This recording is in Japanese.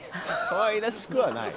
かわいらしくはない。